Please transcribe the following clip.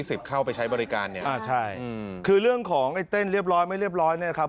เข้าไปใช้บริการเนี่ยอ่าใช่อืมคือเรื่องของไอ้เต้นเรียบร้อยไม่เรียบร้อยเนี้ยครับ